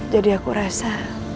jadi aku rasa